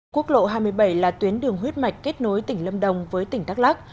quốc lộ hai mươi bảy là tuyến đường huyết mạch kết nối tỉnh lâm đồng với tỉnh đắk lắc